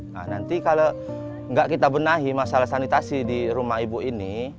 nah nanti kalau nggak kita benahi masalah sanitasi di rumah ibu ini